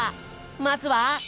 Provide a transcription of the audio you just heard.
まずは。